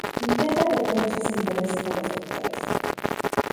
Intenta que Tenchi se interese por las mujeres.